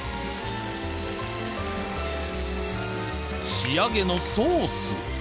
仕上げのソース